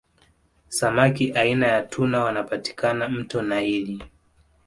samaki aina ya tuna wanapatikana mto naili